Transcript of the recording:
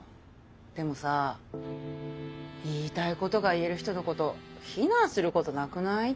でもさ言いたいことが言える人のこと非難することなくないって思うんだよね。